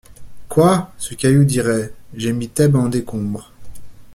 Quoi! ce caillou dirait: — J’ai mis Thèbe en décombres !